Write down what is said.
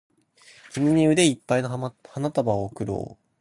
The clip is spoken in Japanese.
君に腕いっぱいの花束を贈ろう